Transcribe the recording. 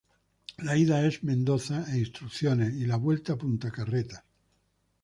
La ida es Mendoza e Instrucciones y la vuelta Punta Carretas.